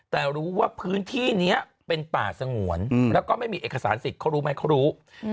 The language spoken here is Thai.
แต่รู้ว่าพื้นที่นี้เป็นป่าสงวนแล้วก็ไม่มีเอกสารสิทธิ์เขารู้ไหมเขารู้